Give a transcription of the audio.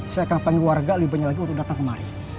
saya kampanye warga lebih banyak lagi untuk datang kemari